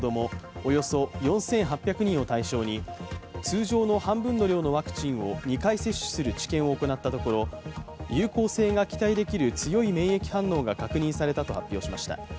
およそ４８００人を対象に通常の半分の量のワクチンを２回接種する治験を行ったところ有効性が期待できる強い免疫反応が確認されたと発表しました。